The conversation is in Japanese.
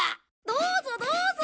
どうぞどうぞ。